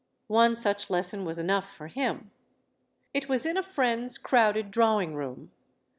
One such lesson was enough for him. It was in a friend's crowded drawing room.